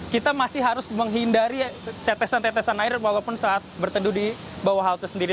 kita masih harus menghindari tetesan tetesan air walaupun saat berteduh di bawah halte sendiri